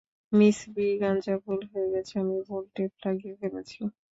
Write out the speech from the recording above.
Miss Braganza ভুল হয়ে গেছে আমি ভুল টেপ লাগিয়ে ফেলেছি।